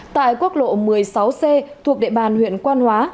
tại quốc lộ một mươi sáu c thuộc địa bàn huyện quan hóa